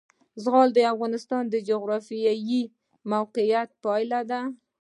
زغال د افغانستان د جغرافیایي موقیعت پایله ده.